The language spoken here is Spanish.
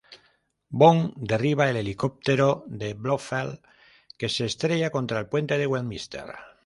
Bond derriba el helicóptero de Blofeld, que se estrella contra el Puente de Westminster.